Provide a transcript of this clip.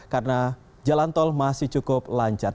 karena jalan tol masih cukup lancar